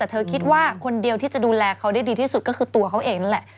แต่เธอคิดว่าคนเดียวที่จะดูแลเขาได้ดีที่สุดก็คือตัวเขาเองนั่นแหละ